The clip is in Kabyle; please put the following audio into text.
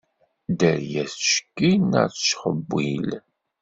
Dderya tettcettil, neɣ tettxewwil.